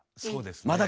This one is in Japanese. そうですね。